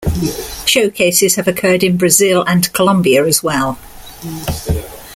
Showcases have occurred in Brazil and Colombia as well.